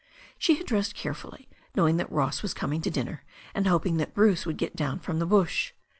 She had dressed carefully, knowing that Ross was coming to dinner, and hoping that Bruce would get down from the bush.